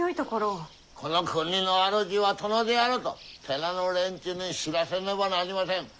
この国の主は殿であると寺の連中に知らひめねばなりません。